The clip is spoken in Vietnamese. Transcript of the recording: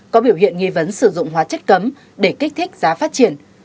có biểu hiện nghi vấn sử dụng hóa chất cấm để kích thích giá phát triển